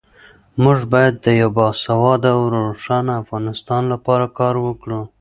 موږ باید د یو باسواده او روښانه افغانستان لپاره کار وکړو.